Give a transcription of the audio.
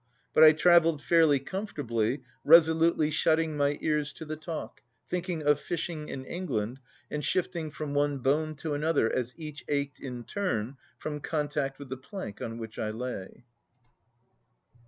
But I travelled fairly comfortably, resolutely shutting my ears to the talk, thinking of fishing in England, and shifting from one bone to another as each ached in turn from contact with the plank on which I lay.